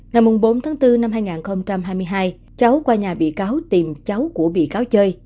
ngày bốn tháng bốn năm hai nghìn hai mươi hai cháu qua nhà bị cáo tìm cháu của bị cáo chơi